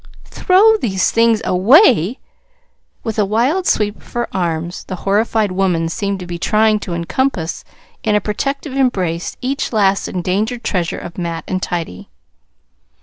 "Throw these things away!" With a wild sweep of her arms, the horrified woman seemed to be trying to encompass in a protective embrace each last endangered treasure of mat and tidy.